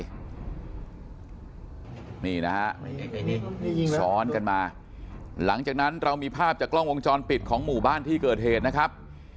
นี่นะฮะซ้อนกันมาหลังจากนั้นเรามีภาพจากกล้องวงจรปิดของหมู่บ้านที่เกิดเหตุนะครับ